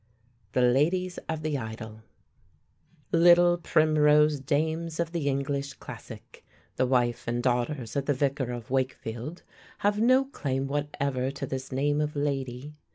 THE LADIES OF THE IDYLL Little Primrose dames of the English classic, the wife and daughters of the Vicar of Wakefield have no claim whatever to this name of lady.